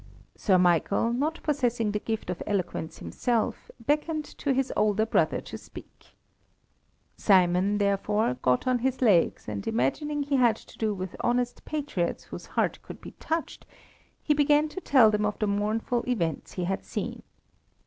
Sir Michael, not possessing the gift of eloquence himself, beckoned to his elder brother to speak. Simon, therefore, got on his legs, and imagining he had to do with honest patriots whose hearts could be touched, he began to tell them of the mournful events he had seen.